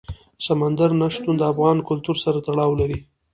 سمندر نه شتون د افغان کلتور سره تړاو لري.